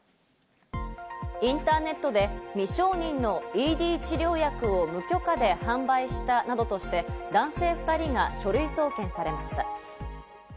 インターネットで未承認のＥＤ治療薬を無許可で販売したなどとして男性２人が書類送検されました。